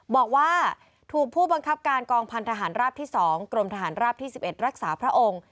บอกว่าถูกผู้บังคับการกองพันธหารราบที่๒กรมทหารราบที่๑๑รักษาพระองค์